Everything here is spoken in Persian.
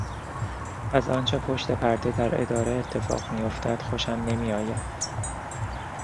از آنچه پشت پرده در اداره اتفاق میافتد خوشم نمیآید.